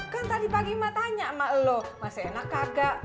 kan tadi pagi emak tanya sama elo masih enak kagak